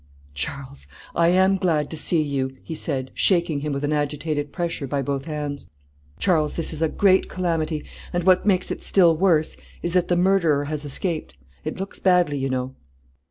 "Charles, I am glad to see you," he said, shaking him with an agitated pressure by both hands, "Charles, this is a great calamity, and what makes it still worse, is that the murderer has escaped; it looks badly, you know."